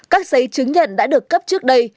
các giấy chứng nhận đã được cấp trước đây